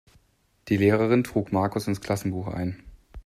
Die Lehrerin trug Markus ins Klassenbuch ein.